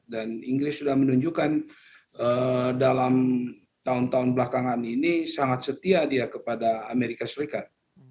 dan inggris sudah menunjukkan dalam tahun tahun belakangan ini sangat setia dia kepada amerika serikat